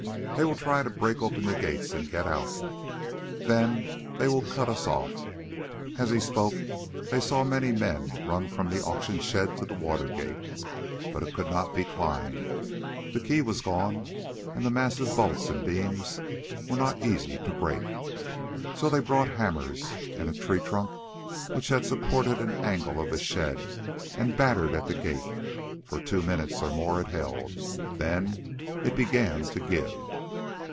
"They will try to break open the gates and get out, then they will cut us off." As he spoke they saw many men run from the auction shed to the water gate. But it could not be climbed, the key was gone, and the massive bolts and beams were not easy to break. So they brought hammers and a tree trunk which had supported an angle of the shed, and battered at the gate. For two minutes or more it held, then it began to give.